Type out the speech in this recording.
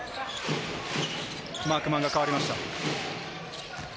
マークマンが変わりました。